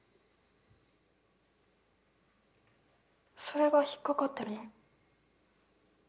それが引っ掛かってるの？